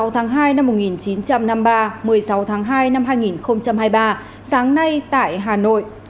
hai mươi tháng hai năm một nghìn chín trăm năm mươi ba một mươi sáu tháng hai năm hai nghìn hai mươi ba sáng nay tại hà nội